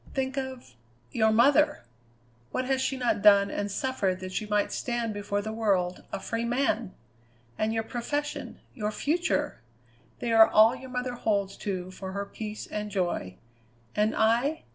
"Think of your mother! What has she not done and suffered that you might stand before the world a free man? And your profession; your future! They are all your mother holds to for her peace and joy. And I?